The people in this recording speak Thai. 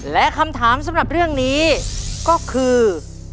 และคำถามสำหรับเรื่องนี้ก็คือ